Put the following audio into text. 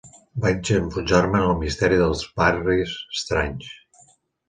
Vaig enfonsar-me en el misteri dels barris estranys